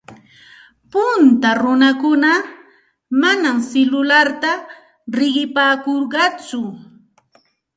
Punta runakuna manam silularta riqipaakurqatsu.